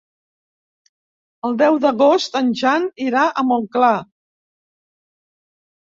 El deu d'agost en Jan irà a Montclar.